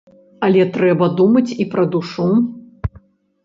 Але трэба думаць і пра душу.